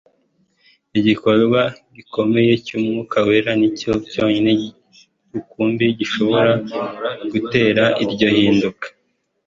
Igikorwa gikomeye cy'Umwuka wera nicyo cyonyine rukumbi gishobora gutera iryo hinduka.